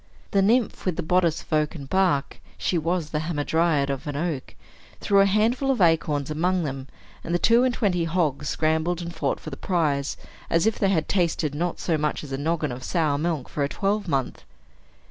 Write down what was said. The nymph with the bodice of oaken bark (she was the hamadryad of an oak) threw a handful of acorns among them; and the two and twenty hogs scrambled and fought for the prize, as if they had tasted not so much as a noggin of sour milk for a twelvemonth.